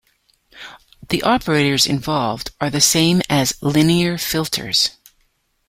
The operators involved are the same as linear filters.